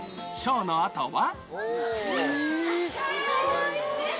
ショーのあとは。